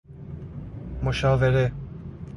مشاوره